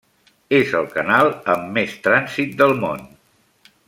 És el canal amb més de trànsit del món.